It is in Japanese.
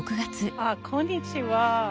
あっこんにちは。